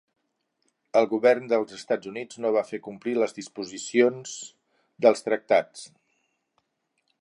El govern dels Estats Units no va fer complir les disposicions dels tractats.